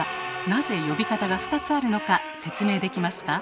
なぜ呼び方が２つあるのか説明できますか？